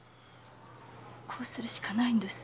こうするしかないんです。